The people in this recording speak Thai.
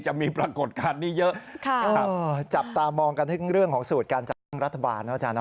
ปรากฏการณ์นี้เยอะจับตามองกันถึงเรื่องของสูตรการจัดตั้งรัฐบาลนะอาจารย์